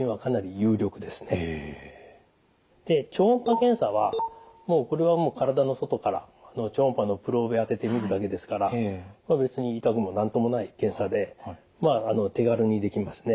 で超音波検査はこれはもう体の外から超音波のプローブ当てて診るだけですから別に痛くも何ともない検査で手軽にできますね。